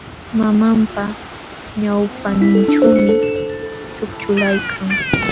Mamanpa ñawpaqninćhuumi ćhukćhulaykan.